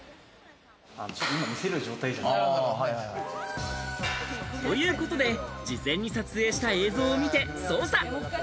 ちょっと今見せれる状態じゃないと。ということで、事前に撮影した映像を見て捜査。